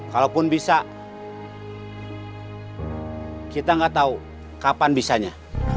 kalaupun bisa kita nggak tahu kapan bisanya